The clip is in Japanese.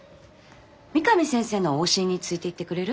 三上先生の往診についていってくれる？